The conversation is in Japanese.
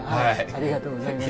ありがとうございます。